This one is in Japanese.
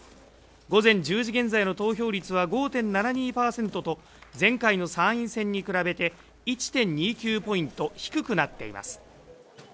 午前１０時現在の投票率は５．７２％と前回の参院選に比べて１．２９ポイント低くなっています。